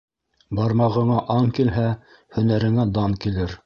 Бармағыңа аң килһә, һөнәреңә дан килер.